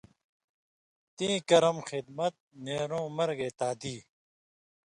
تیں کرم خدمت نېرُوں مرگے تادی